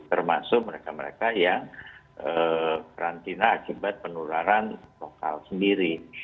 termasuk mereka mereka yang karantina akibat penularan lokal sendiri